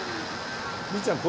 律ちゃん